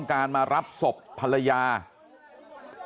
ชาวบ้านในพื้นที่บอกว่าปกติผู้ตายเขาก็อยู่กับสามีแล้วก็ลูกสองคนนะฮะ